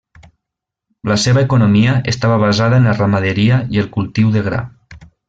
La seva economia estava basada en la ramaderia i el cultiu de gra.